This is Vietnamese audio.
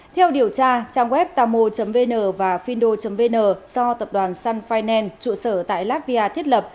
theo điều tra trang web tamo vn và findo vn do tập đoàn sun finance trụ sở tại latvia thiết lập